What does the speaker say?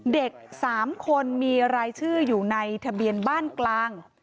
เด็ก๓คนมีรายชื่ออยู่ในทะเบียนบ้านกลาง